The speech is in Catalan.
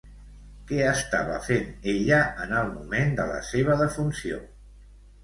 Què estava fent ella en el moment de la seva defunció?